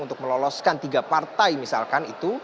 untuk meloloskan tiga partai misalkan itu